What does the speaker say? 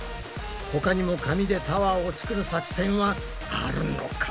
他にも紙でタワーを作る作戦はあるのか？